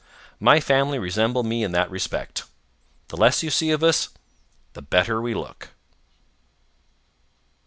My family resemble me in that respect. The less you see of us, the better we look.